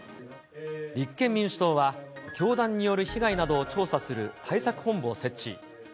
立憲民主党は、教団による被害などを調査する対策本部を設置。